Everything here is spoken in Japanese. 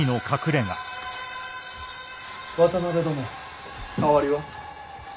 渡辺殿変わりは？